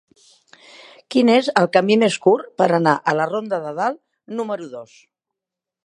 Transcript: Quin és el camí més curt per anar a la ronda de Dalt número dos?